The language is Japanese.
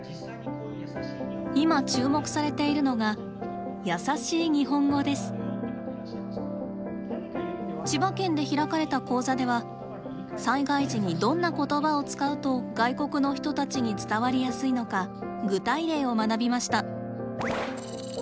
今注目されているのが千葉県で開かれた講座では災害時にどんな言葉を使うと外国の人たちに伝わりやすいのか具体例を学びました。